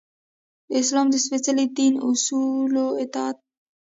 د اسلام د سپیڅلي دین اصولو اطاعت.